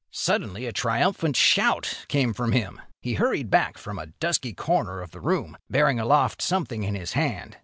Suddenly a triumphant shout came from him. He hurried back from a dusky corner of the room, bearing aloft something in his hand.